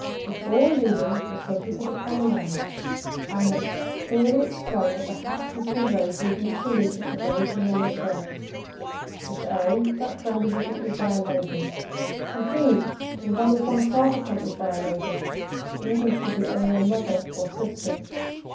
[Sidenote: The hat and the promenade.] Before leaving the subject of the promenade, I must clearly explain that the hat must be raised even in saluting a very familiar friend, if (a) that friend is accompanied by a lady, and (b) when one is oneself accompanied by a lady, even if she be only a mother or sister.